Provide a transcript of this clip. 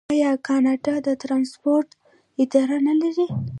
آیا کاناډا د ټرانسپورټ اداره نلري؟